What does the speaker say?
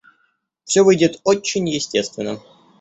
Все выйдет очень естественно.